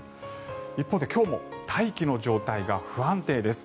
一方で今日も大気の状態が不安定です。